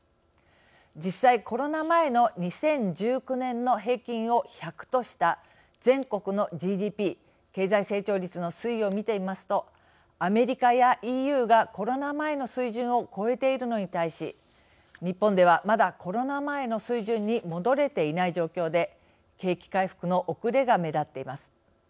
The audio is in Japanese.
実際、コロナ前の２０１９年の平均を１００とした全国のＧＤＰ＝経済成長率の推移を見てみますとアメリカやＥＵがコロナ前の水準を超えているのに対し日本では、まだコロナ前の水準に戻れていない状況で景気回復の遅れが目立っています。